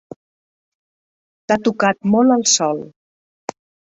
T'ha tocat molt el sol.